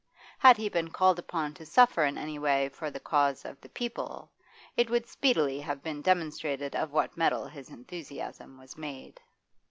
Had he been called upon to suffer in any way for the 'cause of the people,' it would speedily have been demonstrated of what metal his enthusiasm was made.